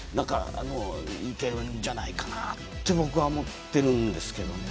いけるんじゃないかなって僕は思ってるんですけどね。